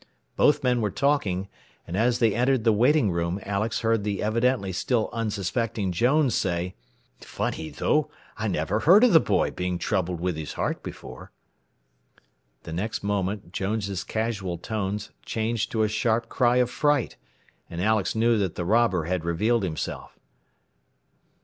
Both men were talking, and as they entered the waiting room Alex heard the evidently still unsuspecting Jones say: "Funny, though. I never heard of the boy being troubled with his heart before." [Illustration: "COME ON! COME ON!" EXCLAIMED THE MAN IN THE DOORWAY.] The next moment Jones's casual tones changed to a sharp cry of fright, and Alex knew that the robber had revealed himself.